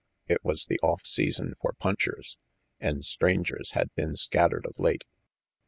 It was the off season for punchers, and strangers had been scattered of late.